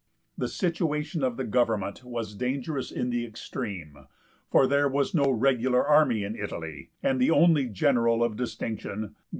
The situation of the government was dangerous in the extreme, for there was no regular army in Italy, and the only general of distinction, Cn.